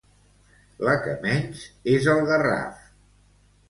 La que menys, és el Garraf.